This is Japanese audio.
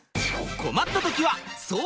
困った時はそう！